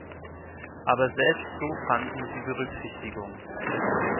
Aber selbst so fanden sie Berücksichtigung.